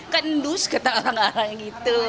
kendus kata orang orang gitu